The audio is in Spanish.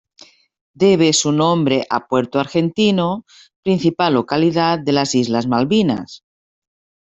Debe su nombre a Puerto Argentino, principal localidad de las islas Malvinas.